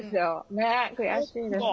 ねえ悔しいです。